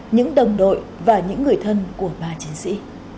những đồng đội và những người thân của ba chiến sĩ